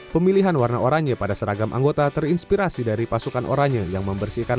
pemilihan warna oranye pada seragam anggota terinspirasi dari pasukan oranye yang membersihkan